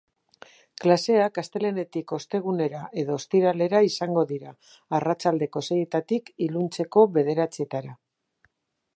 Klaseak astelehenetik ostegunera edo ostiralera izango dira arratsaldeko seietatik iluntzeko bederatzietara.